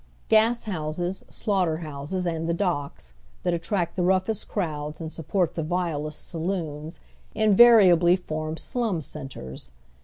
Gas houses, slaughter houses and the docks, that attract the roughest crowds and support the vilest saloons, invari ably form slum centres.